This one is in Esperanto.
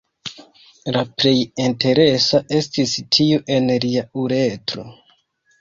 La plej interesa estis tiu en lia uretro.